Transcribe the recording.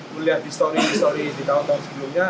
mulia distori distori di tahun tahun sebelumnya